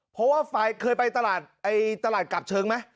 เพราะว่าเคยไปตลาดตลาดกลับเชิงไหม